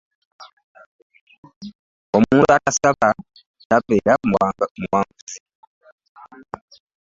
Omuntu atasaba tabeera muwanguzi.